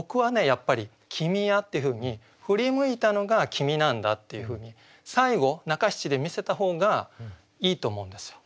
やっぱり「君や」っていうふうに振り向いたのが君なんだっていうふうに最後中七で見せた方がいいと思うんですよ。